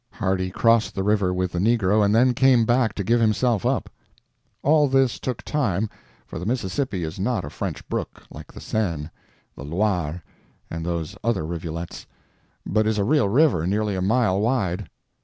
Hardy crossed the river with the negro, and then came back to give himself up. All this took time, for the Mississippi is not a French brook, like the Seine, the Loire, and those other rivulets, but is a real river nearly a mile wide.